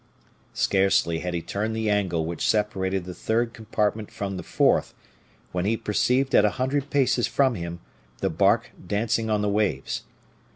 Scarcely had he turned the angle which separated the third compartment from the fourth when he perceived at a hundred paces from him the bark dancing on the waves.